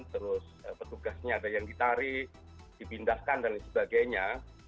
terus petugasnya ada yang ditarik dipindahkan dan sebagainya